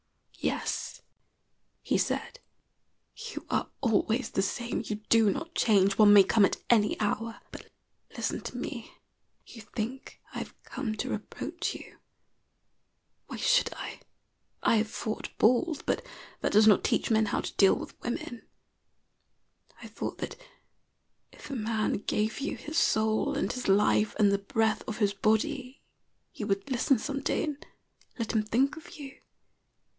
"Yes," he said, "you are always the same. You do not change. One may come at any hour. But listen to me. You think I have come to reproach you. Why should I? I have fought bulls, but that does not teach men how to deal with women. I thought that, if a man gave you his soul and his life and the breath of his body, you would listen some day and let him think of you.